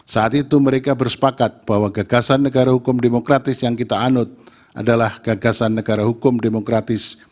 saat itu mereka bersepakat bahwa gagasan negara hukum demokratis yang kita anut adalah gagasan negara hukum demokratis